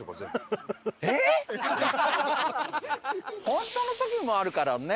本当の時もあるからね。